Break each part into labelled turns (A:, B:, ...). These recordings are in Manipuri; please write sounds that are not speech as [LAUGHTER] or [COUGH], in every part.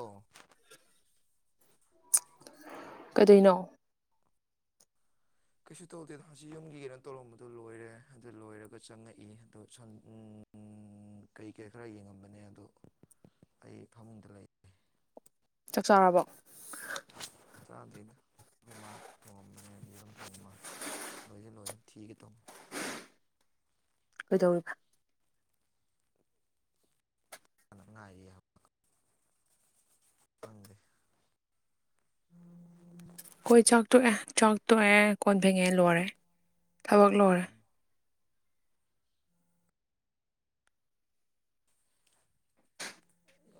A: ꯑꯣ
B: ꯀꯩꯗꯩꯅꯣ
A: ꯀꯩꯁꯨ ꯇꯧꯗꯦꯗ ꯁꯤ ꯌꯨꯝꯒꯤꯒꯤ ꯔꯟ ꯇꯧꯔꯝꯕꯗꯨ ꯂꯣꯏꯔꯦ ꯑꯗꯨ ꯂꯣꯏꯔꯒ ꯆꯪꯉꯛꯏ ꯑꯗꯣ ꯁꯟ ꯎꯝ ꯎꯝ ꯀꯩ ꯀꯩ ꯈꯔ ꯌꯦꯡꯉꯝꯕꯅꯦ ꯑꯗꯣ ꯑꯩ ꯐꯃꯨꯡꯗ ꯂꯩ
B: ꯆꯥꯛ ꯆꯥꯔꯕꯣ
A: ꯆꯥꯗꯔꯤꯗ ꯈꯣꯏ ꯃꯥꯅꯥ ꯊꯣꯡꯉꯝꯃꯦ ꯌꯦꯔꯨꯝ ꯊꯣꯡꯉꯥ ꯂꯣꯏꯗꯤ ꯂꯣꯏꯔꯦ ꯊꯤꯒꯦ ꯇꯧꯕ
B: ꯀꯩꯗꯧꯔꯤꯕ
A: ꯉꯍꯥꯛ ꯉꯥꯏꯔꯤꯌꯦ [UNINTELLIGIBLE] ꯅꯪꯗꯤ [UNINTELLIGIBLE]
B: ꯑꯩꯈꯣꯏ ꯆꯥꯛ ꯇꯣꯛꯑꯦ ꯆꯥꯛ ꯇꯣꯛꯑꯦ ꯀꯣꯟ ꯐꯦꯡꯉꯦ ꯂꯣꯏꯔꯦ ꯊꯕꯛ ꯂꯣꯏꯔꯦ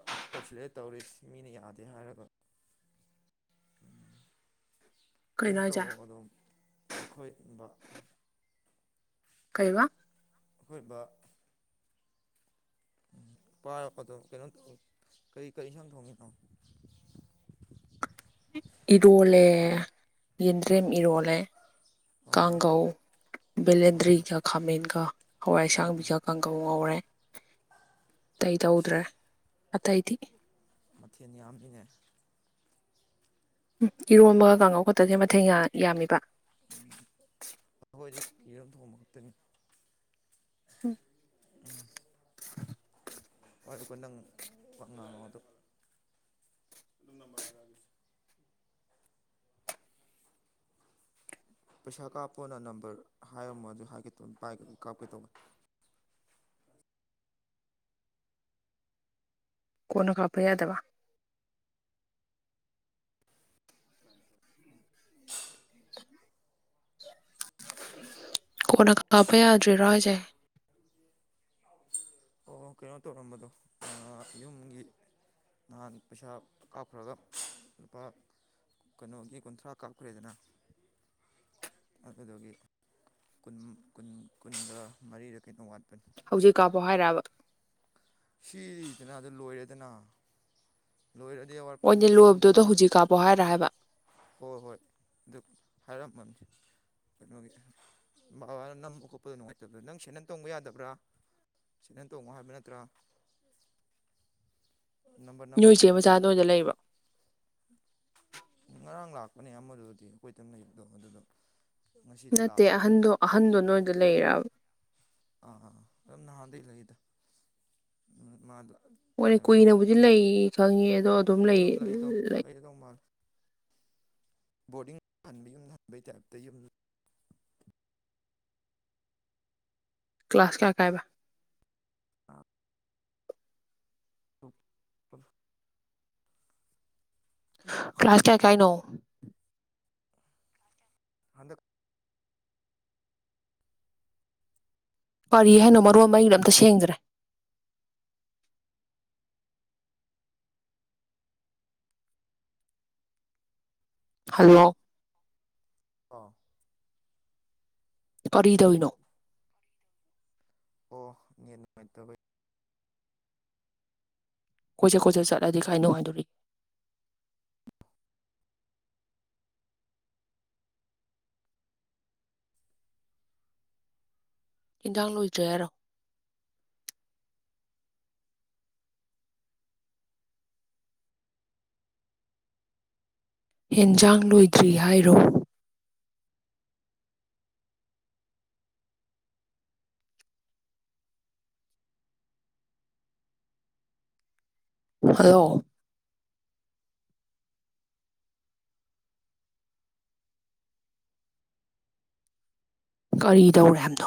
A: ꯑꯃꯨꯛ ꯇꯧꯁꯤꯜꯂꯑꯦ ꯇꯧꯔꯤ ꯁꯤ ꯃꯤꯅ ꯌꯥꯗꯦ ꯍꯥꯏꯔꯒ ꯎꯝ ꯀꯩꯅꯣ ꯇꯧ ꯑꯗꯨꯝ ꯑꯩꯈꯣꯏ ꯕꯥ
B: ꯀꯩꯕꯥ
A: ꯑꯩꯈꯣꯏ ꯕꯥ ꯎꯝ ꯄꯥꯏꯔꯛꯄꯗꯣ ꯀꯩꯅꯣ ꯇꯧ ꯀꯩ ꯀꯩ ꯏꯟꯁꯥꯡ ꯊꯣꯡꯉꯤꯅꯣ
B: ꯏꯔꯣꯜꯂꯦ
A: ꯍꯥ
B: ꯌꯦꯟꯗ꯭ꯔꯦꯝ ꯏꯔꯣꯜꯂꯦ
A: ꯑꯣ ꯍꯣꯏ
B: ꯀꯥꯡꯒꯧ
A: ꯍꯣꯏ
B: ꯕꯦꯂꯦꯟꯗ꯭ꯔꯤꯒ ꯈꯥꯃꯦꯟꯒ
A: ꯑꯥ ꯑꯥ
B: ꯍꯋꯥꯏꯁꯥꯡꯕꯤꯒ ꯀꯪꯒꯧ ꯉꯧꯔꯦ ꯑꯇꯩ ꯇꯧꯗ꯭ꯔꯦ ꯑꯇꯩꯗꯤ
A: ꯃꯊꯦꯜ ꯌꯥꯝꯃꯤꯅꯦ
B: ꯎꯝ ꯏꯔꯣꯟꯕꯒ ꯀꯥꯡꯉꯧ ꯈꯛꯇꯖꯦ ꯃꯊꯦꯟ ꯌ ꯌꯥꯝꯃꯤꯕ
A: ꯎꯝ ꯑꯈꯣꯏꯗꯤ ꯌꯦꯔꯨꯝ ꯊꯣꯡꯕ ꯈꯛꯇꯅꯤ
B: ꯎꯝ
A: ꯎꯝ [UNINTELLIGIBLE] ꯄꯩꯁꯥ ꯀꯥꯞꯄꯣꯅ ꯅꯝꯕꯔ ꯍꯥꯏꯔꯝꯃꯣ ꯑꯗꯨ ꯍꯥꯏꯒꯦ ꯇꯧꯅꯤ ꯄꯥꯏꯒꯒꯥ ꯀꯥꯞꯀꯦ ꯇꯧꯕꯥ
B: ꯀꯣꯟꯅ ꯀꯥꯞꯄ ꯌꯥꯗꯕ
A: [UNINTELLIGIBLE]
B: ꯀꯣꯟꯅ ꯀꯥꯞꯄ ꯌꯥꯗ꯭ꯔꯤꯔꯣ ꯍꯥꯏꯁꯦ
A: ꯑꯣ ꯀꯩꯅꯣ ꯇꯧꯔꯝꯕꯗꯣ ꯑꯥ ꯌꯨꯝꯒꯤ ꯅꯍꯥꯟ ꯄꯩꯁꯥ ꯀꯥꯞꯈ꯭ꯔꯒ ꯂꯨꯄꯥ ꯀꯩꯅꯣꯒꯤ ꯀꯨꯟꯊ꯭ꯔꯥ ꯀꯥꯞꯈ꯭ꯔꯦꯗꯅ ꯑꯗꯨꯗꯒꯤ ꯀꯨꯟ ꯀꯨꯟ ꯀꯨꯟꯒ ꯃꯔꯤꯔ ꯀꯩꯅꯣ ꯋꯥꯠꯄꯅꯤ
B: ꯍꯧꯖꯤꯛꯀꯞꯄꯣ ꯍꯥꯏꯔꯕꯥ
A: ꯁꯤꯖꯤꯅ ꯑꯗꯨ ꯂꯣꯏꯔꯦꯗꯅ ꯂꯣꯏꯔꯗꯤ ꯑꯋꯥꯠꯄꯗꯨ
B: ꯃꯣꯏꯅ
A: ꯃꯣꯏ ꯆꯠꯂꯝꯗꯥꯏ
B: ꯂꯣꯏꯕꯗꯨꯗꯣ ꯍꯧꯖꯤꯛ ꯀꯥꯞꯄꯣ ꯍꯥꯏꯔ ꯍꯥꯏꯕ
A: ꯍꯣꯏ ꯍꯣꯏ ꯑꯗꯨ ꯍꯥꯏꯔꯝꯃꯅꯤ ꯀꯩꯅꯣꯒꯤ ꯃꯃꯥꯅ ꯅꯝꯕ ꯈꯣꯠꯄꯗꯣ ꯅꯨꯡꯉꯥꯏꯇꯕ ꯅꯪ ꯁꯦꯟꯗꯜ ꯇꯣꯡꯕ ꯌꯥꯗꯕ꯭ꯔꯥ ꯁꯦꯟꯗꯜ ꯇꯣꯡꯕ ꯍꯥꯏꯕ ꯅꯠꯇ꯭ꯔꯥ ꯅꯝꯕꯔ ꯅꯃ
B: ꯅꯣꯏ ꯆꯦ
A: ꯃꯥꯝꯅꯦ
B: ꯃꯆꯥ
A: ꯑꯗꯨꯝ
B: ꯅꯣꯏꯗ ꯂꯩꯕ꯭ꯔꯣ
A: ꯉꯔꯥꯡ ꯂꯥꯛꯄꯅꯦ ꯑꯃꯗꯨꯗꯤ ꯑꯩꯈꯣꯏꯗꯪ ꯂꯩꯕꯗꯣ ꯑꯗꯨꯗ
B: ꯅꯠꯇꯦ ꯑꯍꯟꯗꯣ ꯑꯍꯟꯗꯣ ꯅꯣꯏꯗ ꯂꯩꯔꯕ
A: ꯑꯥ ꯑꯥ ꯑꯗꯨꯝ ꯅꯍꯥꯟꯗꯩ ꯂꯩꯗ ꯃꯥꯗ
B: ꯃꯣꯏꯅ
A: ꯀꯩꯅꯣ ꯇꯧ
B: ꯀꯨꯏꯅꯕꯨꯗꯤ
A: ꯈꯣꯠꯇꯅ
B: ꯂꯩ ꯈꯪꯉꯤ ꯑꯗꯣ ꯂꯩ
A: ꯑꯗꯨꯝ ꯂꯩꯗꯣ
B: ꯂꯩ
A: ꯂꯩꯒꯗꯧ ꯃꯥꯜꯂꯦ ꯕꯣꯔꯗꯤꯡ ꯍꯟꯕ ꯌꯨꯝꯗ ꯍꯟꯕꯩ ꯇꯥꯏꯞꯇ ꯌꯨꯝ
B: ꯀ꯭ꯂꯥꯁ ꯀꯌꯥ ꯀꯥꯏꯕ
A: ꯑꯞ [UNINTELLIGIBLE]
B: ꯀ꯭ꯂꯥꯁ ꯀꯌꯥ ꯀꯥꯏꯅꯣ
A: ꯍꯟꯗꯛ
B: ꯀꯔꯤ ꯍꯥꯏꯅꯣ ꯃꯔꯣꯟ ꯃꯔꯤꯒ ꯑꯝꯇ ꯁꯦꯡꯗ꯭ꯔꯦ ꯍꯜꯂꯣ
A: ꯑꯥ
B: ꯀꯔꯤꯗꯧꯋꯤꯅꯣ
A: ꯑꯣ ꯅꯦꯠ ꯅꯨꯡꯉꯥꯏꯇꯕꯩ
B: ꯀꯣꯏꯆꯠ ꯀꯣꯏꯆꯠ ꯆꯠꯂꯗꯤ ꯀꯥꯏ ꯅꯨꯡꯉꯥꯏꯗꯧꯔꯤ ꯏꯟꯖꯥꯡ ꯂꯣꯏꯗ꯭ꯔꯤ ꯍꯥꯏꯔꯣ ꯍꯦꯟꯖꯥꯡ ꯂꯣꯏꯗ꯭ꯔꯤ ꯍꯥꯏꯔꯣ ꯍꯜꯂꯣ ꯀꯔꯤ ꯇꯧꯔꯦ ꯑꯕꯗꯣ